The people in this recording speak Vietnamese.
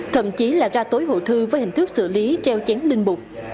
thậm chí là ra tối hộ thư với hình thức xử lý treo chén linh mục